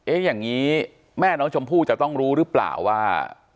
อย่างนี้แม่น้องชมพู่จะต้องรู้หรือเปล่าว่า